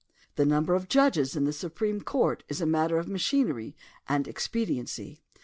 The number of judges in the Supreme Court is a matter of machinery and expediency.